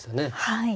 はい。